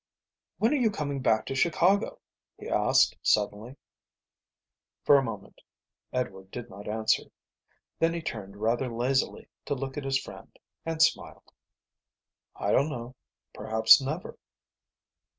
"When are you coming back to Chicago?" he asked, suddenly. For a moment Edward did not answer. Then he turned rather lazily to look at his friend and smiled. "I don't know. Perhaps never."